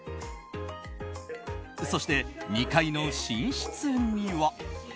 そして、２階の寝室には。